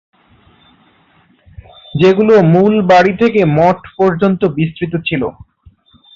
যেগুলো মূল বাড়ি থেকে মঠ পর্যন্ত বিস্তৃত ছিল।